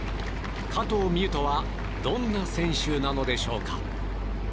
加藤未唯とはどんな選手なのでしょうか。